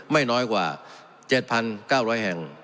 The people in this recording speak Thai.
ไม่น้อยกว่า๗๙๐๐แห่ง